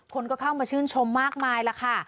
คนก็เข้ามาชื่นชมมากมายล่ะค่ะ